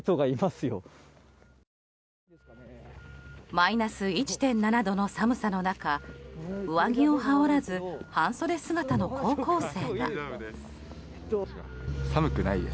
マイナス１．７度の寒さの中上着を羽織らず半袖姿の高校生。